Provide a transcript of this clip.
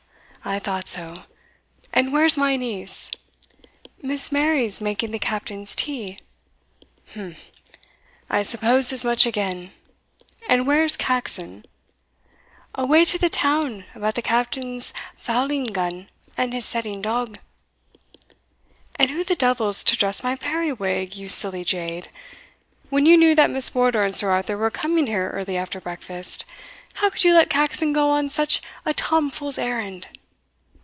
"Umph! I thought so and where's my niece?" "Miss Mary's making the captain's tea." "Umph! I supposed as much again and where's Caxon?" "Awa to the town about the captain's fowling gun, and his setting dog." "And who the devil's to dress my periwig, you silly jade? when you knew that Miss Wardour and Sir Arthur were coming here early after breakfast, how could you let Caxon go on such a Tomfool's errand?"